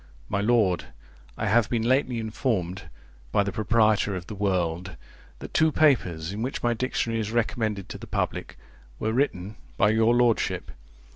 My Lord, I have been lately informed, by the proprietor of The World, that two papers, in which my Dictionary is recommended to the public, were written by your lordship.